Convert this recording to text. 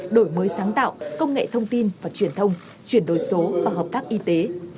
đổi mới sáng tạo công nghệ thông tin và truyền thông chuyển đổi số và hợp tác y tế